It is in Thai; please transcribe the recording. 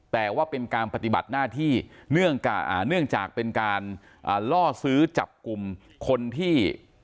แต่ว่าเป็นการปฏิบัติหน้าที่เนื่องจากเป็นการล่อซื้อจับกลุ่มคนที่